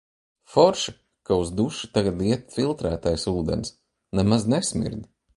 Forši, ka uz dušu tagad iet filtrētais ūdens – nemaz nesmird.